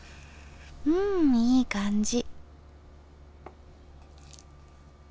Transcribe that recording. うんいい感じ。